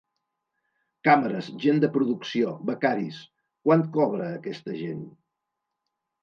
Càmeres, gent de producció, becaris… Quant cobra aquesta gent?